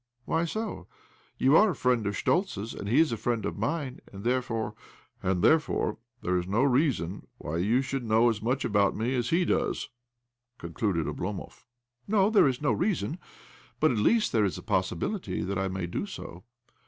' Why so ? You are a friend of Schtoltz's, and he is a friend of mine, and there fore " "And therefore there is no reason why you should know as much about me as he does," concluded' Oblomov. "No, there is no reason. But at least there is a possibility that I may do so."